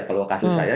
kalau kasus saya